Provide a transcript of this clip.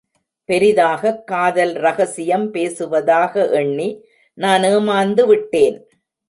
பெரிதாகக் காதல் ரகசியம் பேசுவதாக எண்ணி நான் ஏமாந்துவிட்டேன்!